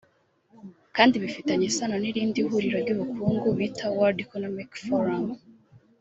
kandi bifitanye isano n’irindi huriro ry’ubukungu bita “World Economic Forum”